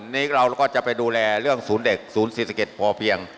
วันนี้เราก็จะไปดูแลเรื่องศูนย์เด็กศูนย์เศรษฐกิจพอเพียง